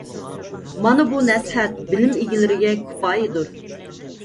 مانا بۇ نەسىھەت بىلىم ئىگىلىرىگە كۇپايىدۇر.